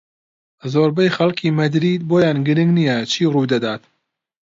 زۆربەی خەڵکی مەدرید بۆیان گرنگ نییە چی ڕوودەدات.